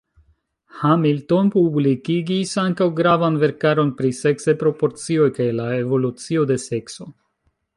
Hamilton publikigis ankaŭ gravan verkaron pri seksaj proporcioj kaj la evolucio de sekso.